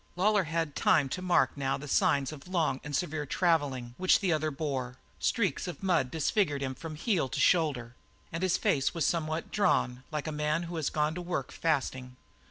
Lawlor had time to mark now the signs of long and severe travelling which the other bore, streaks of mud that disfigured him from heel to shoulder; and his face was somewhat drawn like a man who has gone to work fasting.